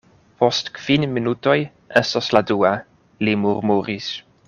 Post kvin minutoj estos la dua, li murmuris.